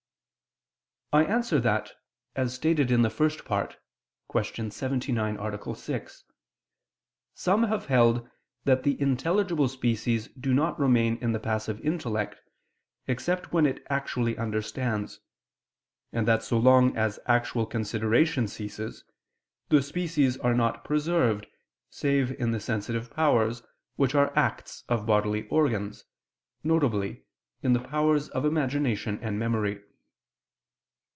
I answer that, As stated in the First Part (Q. 79, A. 6) some have held that the intelligible species do not remain in the passive intellect except when it actually understands; and that so long as actual consideration ceases, the species are not preserved save in the sensitive powers which are acts of bodily organs, viz. in the powers of imagination and memory.